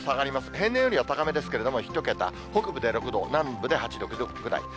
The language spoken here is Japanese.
平年よりは高めですけれども、１桁、北部で６度、南部で８度、９度ぐらい。